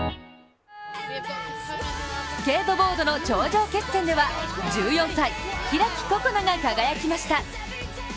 スケートボードの頂上決戦では１４歳、開心那が輝きました。